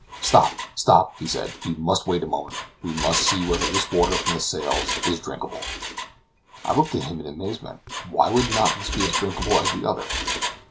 "Stop, stop!" he said "we must wait a moment; we must see whether this water from the sails is drinkable." I looked at him in amazement. Why should not this be as drinkable as the other?